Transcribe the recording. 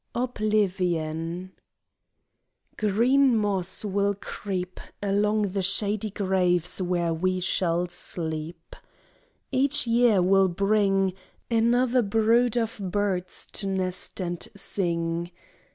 Oblivion Green moss will creep Along the shady graves where we shall sleep. Each year will bring Another brood of birds to nest and sing.